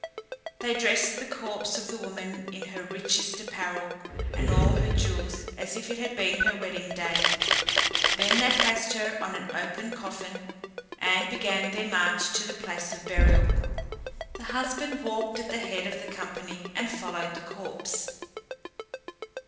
They dressed the corpse of the woman in her richest apparel, and all her jewels, as if it had been her wedding day; then they placed her on an open coffin, and began their march to the place of burial. The husband walked at the head of the company, and followed the corpse.